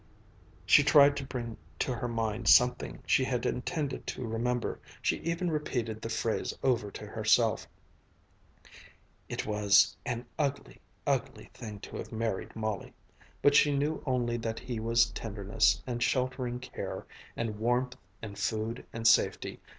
She tried to bring to mind something she had intended to remember; she even repeated the phrase over to herself, "It was an ugly, ugly thing to have married Molly," but she knew only that he was tenderness and sheltering care and warmth and food and safety.